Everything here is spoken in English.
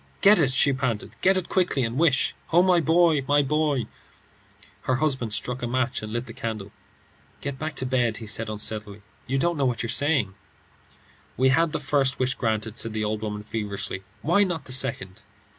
"Get it," she panted; "get it quickly, and wish Oh, my boy, my boy!" Her husband struck a match and lit the candle. "Get back to bed," he said, unsteadily. "You don't know what you are saying." "We had the first wish granted," said the old woman, feverishly; "why not the second?"